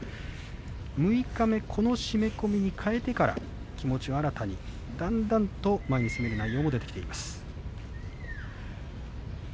六日目この締め込みに替えてから気持ちを新たにだんだんと前に進む内容も出てきています。